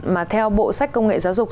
mà theo bộ sách công nghệ giáo dục